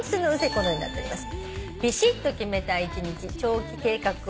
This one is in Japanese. このようになっております。